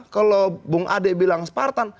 kalau bung ade bilang spartan